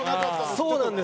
そうなんです。